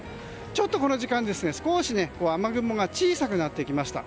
ちょっとこの時間、少し雨雲が小さくなってきました。